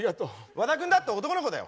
和田君だって男の子だよ！